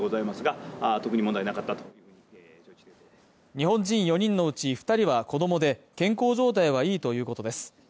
日本人４人のうち２人は子供で、健康状態は良いということです。